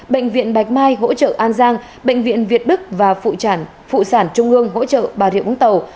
bệnh viện bạch mai hỗ trợ an giang bệnh viện việt đức và phụ sản trung ương hỗ trợ bà rịa vũng tàu